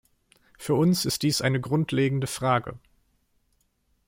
Für uns ist dies eine grundlegende Frage.